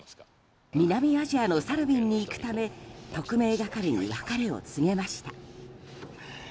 南アジアのサルウィンに行くため特命係に別れを告げました。